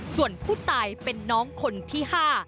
ส่วนผู้ตายเป็นน้องคนที่๕